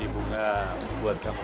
aduh aduh aduh ya ampun